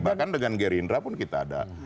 bahkan dengan gerindra pun kita ada